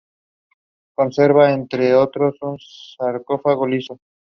Conserva, entre otros, un sarcófago liso.